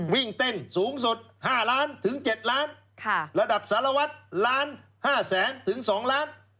วิ่งเต้นสูงสุดห้าร้านถึงเจ็ดล้านค่ะระดับสารวัตรล้านห้าแสนถึงสองล้าน